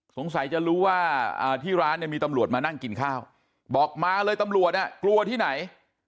สงสัยจะรู้ว่าที่ร้านเนี่ยมีตำรวจมานั่งกินข้าวบอกมาเลยตำรวจกลัวที่ไหน